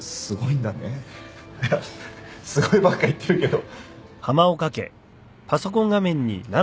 いや「すごい」ばっか言ってるけど。